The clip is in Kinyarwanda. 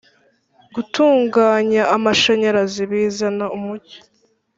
gutunganya amashanyarazi Bizana umucyo